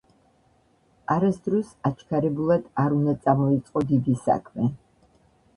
არასდროს აჩქარებულად არ უნდა წამოიწყო დიდი საქმე,